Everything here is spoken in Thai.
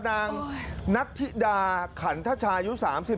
นางนัทธิดาขันทชายุ๓๔